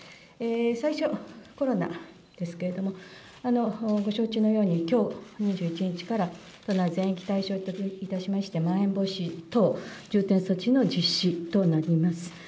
最初、コロナですけれども、ご承知のようにきょう２１日から都内全域対象といたしまして、まん延防止等重点措置の実施となります。